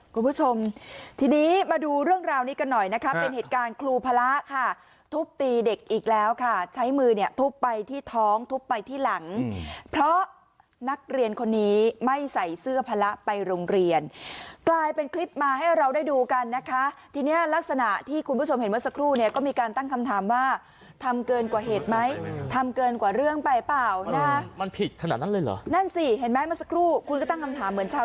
คุณผู้ชมทีนี้มาดูเรื่องราวนี้กันหน่อยนะครับเป็นเหตุการณ์ครูพละค่ะทุบตีเด็กอีกแล้วค่ะใช้มือเนี่ยทุบไปที่ท้องทุบไปที่หลังเพราะนักเรียนคนนี้ไม่ใส่เสื้อพละไปโรงเรียนกลายเป็นคลิปมาให้เราได้ดูกันนะคะทีนี้ลักษณะที่คุณผู้ชมเห็นเมื่อสักครู่เนี่ยก็มีการตั้งคำถามว่าทำเกินกว่าเหตุไหมท